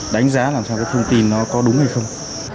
đánh giá làm sao cái thông tin nó có đúng hay không